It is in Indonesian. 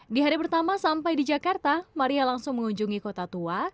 di hari pertama sampai di jakarta maria langsung mengunjungi kota tua